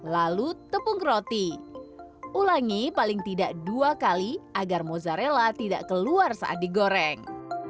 lalu tepung roti ulangi paling tidak dua kali agar mozzarella tidak keluar saat digoreng